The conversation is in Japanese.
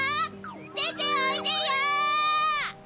でておいでよ！